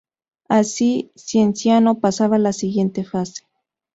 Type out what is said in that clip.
Así, Cienciano pasaba a la siguiente fase.